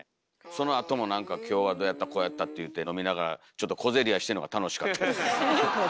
そのあともなんか今日はどうやったこうやったって言うて飲みながらちょっと小競り合いしてんのが楽しかったです。